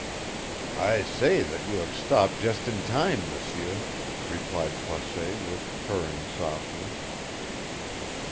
"I say that you have stopped just in time, M'seur," replied Croisset with purring softness.